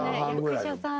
役者さん。